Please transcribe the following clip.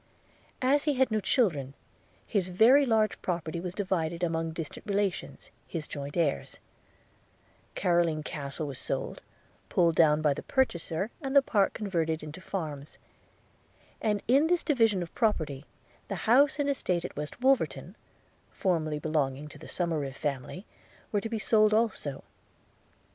As he had no children, his very large property was divided among distant relations, his joint heirs; Carloraine Castle was sold, pulled down by the purchaser, and the park converted into farms; and in this division of property, the house and estate at West Wolverton, formerly belonging to the Somerive family, were to be sold also.